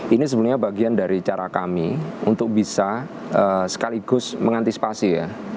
ini sebenarnya bagian dari cara kami untuk bisa sekaligus mengantisipasi ya